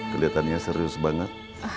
keliatannya serius banget